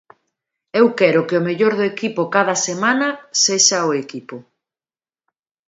Eu quero que o mellor do equipo cada semana sexa o equipo.